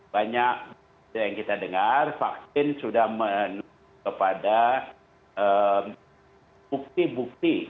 banyak yang kita dengar vaksin sudah menuju kepada bukti bukti